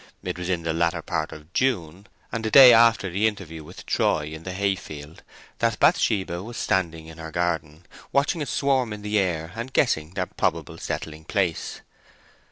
It was in the latter part of June, and the day after the interview with Troy in the hayfield, that Bathsheba was standing in her garden, watching a swarm in the air and guessing their probable settling place.